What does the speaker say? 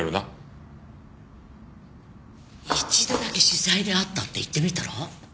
一度だけ取材で会ったって言ってみたら？